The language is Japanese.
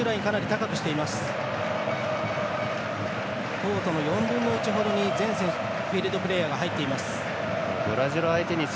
コートの４分の１ほどに全フィールドプレーヤーが入っています。